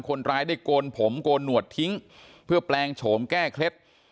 คนร้ายได้โกนผมโกนหนวดทิ้งเพื่อแปลงโฉมแก้เคล็ด